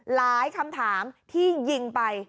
หลายคำถามที่ยิงไป